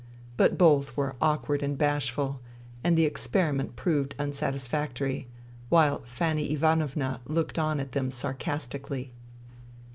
But both were awkward and bashful, and the experiment proved unsatisfactory ; while Fanny Ivanovna looked on at them sarcastically.